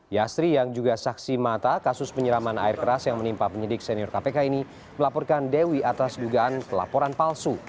yasri yang juga saksi mata kasus penyiraman air keras yang menimpa penyidik senior kpk ini melaporkan dewi atas dugaan pelaporan palsu